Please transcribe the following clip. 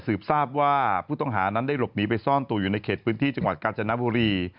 ทราบว่าผู้ต้องหานั้นได้หลบหนีไปซ่อนตัวอยู่ในเขตพื้นที่จังหวัดกาญจนบุรี